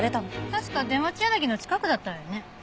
確か出町柳の近くだったわよね。